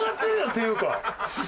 っていうか。